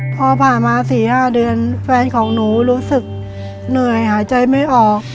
พอผ่านมา๔๕เดือนแฟนของหนูรู้สึกเหนื่อยหายใจไม่ออก